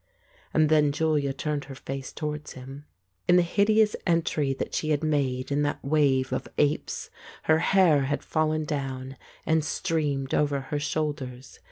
And then Julia turned her face towards him. In the hideous entry that she had made in that wave of apes her hair had fallen down and streamed over her shoulders.